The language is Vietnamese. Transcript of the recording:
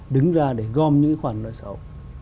đứng ra để gom những khoản nợ xấu